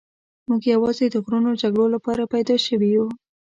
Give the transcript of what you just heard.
موږ یوازې د غرونو جګړو لپاره پیدا شوي یو.